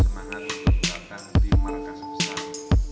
dengan penuh senahan berdakang di markas besar